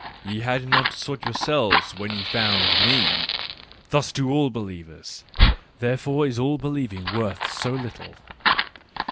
"Ye had not yet sought yourselves when ye found me. Thus do all believers ; therefore is all believing worth so little.